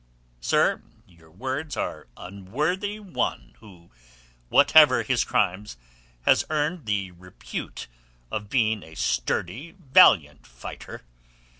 "Sir, your words are unworthy one who, whatever his crimes, has earned the repute of being a sturdy, valiant fighter.